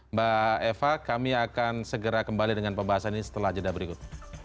mbak eva kami akan segera kembali dengan pembahasan ini setelah jeda berikut